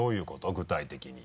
具体的に。